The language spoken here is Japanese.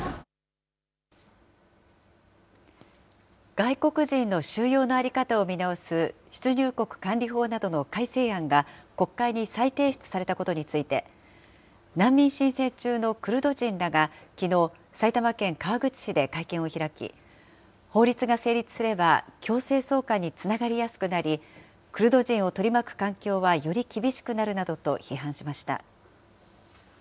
外国人の収容の在り方を見直す出入国管理法などの改正案が、国会に再提出されたことについて、難民申請中のクルド人らがきのう、埼玉県川口市で会見を開き、法律が成立すれば、強制送還につながりやすくなり、クルド人を取り巻く環境はより厳しくなるなどと批判しました。